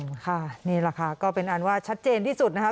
ค่ะนี่แหละค่ะก็เป็นอันว่าชัดเจนที่สุดนะคะ